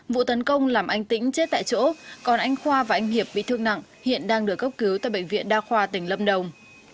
vụ tấn công làm anh tĩnh chết tại chỗ còn anh khoa và anh hiệp bị thương nặng hiện đang được cấp cứu tại bệnh viện đa khoa tỉnh lâm đồng